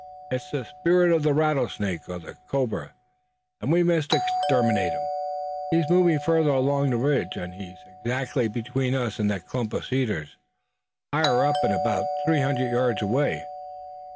"It's the spirit of the rattlesnake or the cobra, and we must exterminate him. He's moving further along the ridge, and he's exactly between us and that clump of cedars, higher up and about three hundred yards away.